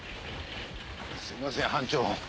すいません班長。